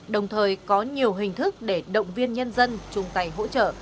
đồng thời có nhiều hình thức để động viên nhân dân chung tay hỗ trợ